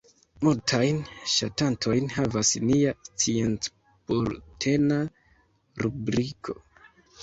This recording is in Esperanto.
Multajn ŝatantojn havas nia sciencbultena rubriko.